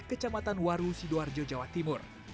kecamatan waru sidoarjo jawa timur